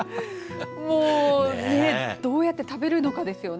もうねどうやって食べるのかですよね。